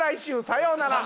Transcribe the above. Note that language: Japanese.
さようなら。